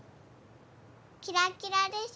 キラキラでしょ？